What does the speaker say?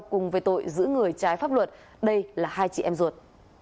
cùng với tội giữ người trái pháp luật đây là hai chị em ruột